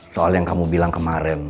soal yang kamu bilang kemarin